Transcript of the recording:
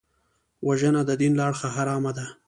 وژنه د دین له اړخه حرامه ده